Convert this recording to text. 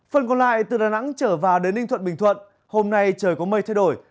phần còn lại từ đà nẵng trở vào đến ninh thuận bình thuận hôm nay trời có mây thay đổi